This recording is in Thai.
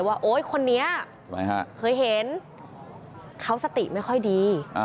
โอ๊ยคนนี้เคยเห็นเขาสติไม่ค่อยดี